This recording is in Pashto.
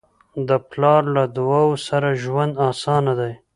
د پلار له دعاؤ سره ژوند اسانه دی.